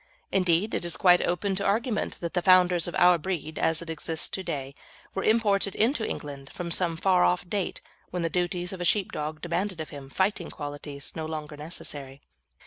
Indeed, it is quite open to argument that the founders of our breed, as it exists to day, were imported into England at some far off date when the duties of a sheepdog demanded of him fighting qualities no longer necessary.